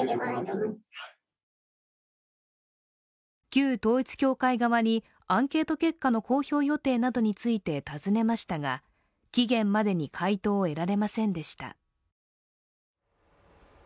旧統一教会側にアンケート結果の公表予定などについて尋ねましたが期限までに回答を得られませんでした。